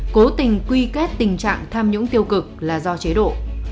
cố tình quy kết tình trạng tham nhũng tiêu cực là do chế độ